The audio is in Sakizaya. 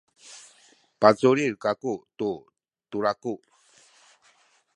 paculil kaku tu tulaku.